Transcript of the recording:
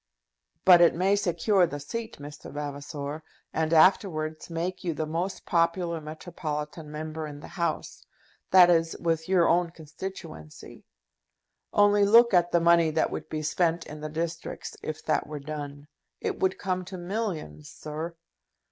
"But it may secure the seat, Mr. Vavasor, and afterwards make you the most popular metropolitan Member in the House; that is, with your own constituency. Only look at the money that would be spent in the districts if that were done! It would come to millions, sir!"